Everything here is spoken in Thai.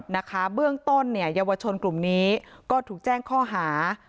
นะคะเบื้องต้นเนี่ยเยาวชนกลุ่มนี้ก็ถูกแจ้งข้อหา